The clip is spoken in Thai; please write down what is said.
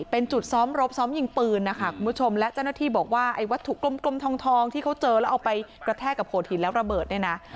เป็นจุดซ้อมรบซ้อมยิงปืนนะคะคุณผู้ชมและเจ้าหน้าที่บอกว่าไอ้วัตถุกลมทองที่เขาเจอแล้วเอาไปกระแทกกับโดดหินแล้วระเบิดเนี่ยนะ